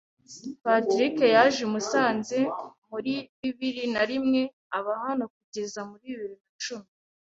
Patrick yaje i Musanze muri bibiri narimwe, aba hano kugeza muri bibiri nacumi.